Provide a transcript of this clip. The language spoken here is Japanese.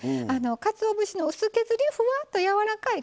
かつお節の薄削りふわっとやわらかい